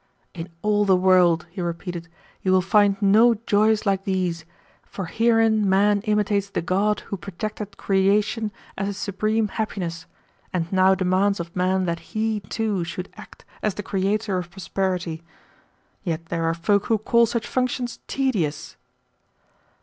"In all the world," he repeated, "you will find no joys like these, for herein man imitates the God who projected creation as the supreme happiness, and now demands of man that he, too, should act as the creator of prosperity. Yet there are folk who call such functions tedious!"